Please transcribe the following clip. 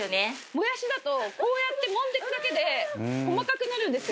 もやしだとこうやってもんでいくだけで細かくなるんですよ。